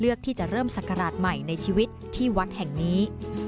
ที่จะเริ่มศักราชใหม่ในชีวิตที่วัดแห่งนี้